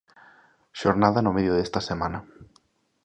Xornada no medio desta semana.